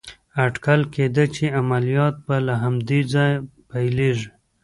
اټکل کېده چې عملیات به له همدې ځایه پيلېږي.